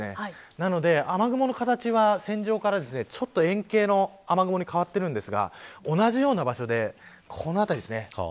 なので雨雲の形は線状からちょっと円形の雨雲に変わってるんですが同じような場所でこの辺りですね。